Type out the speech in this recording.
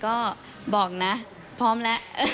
ก็บอกนะพร้อมแล้ว